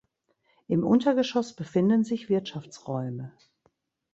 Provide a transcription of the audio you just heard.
Im Untergeschoss befinden sich Wirtschaftsräume.